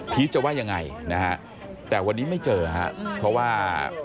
จะว่ายังไงนะฮะแต่วันนี้ไม่เจอฮะเพราะว่า